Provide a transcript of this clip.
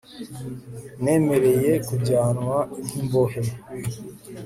Nemereye kujyanwa nkimbohe